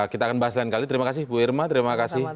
kita akan bahas lain kali terima kasih bu irma terima kasih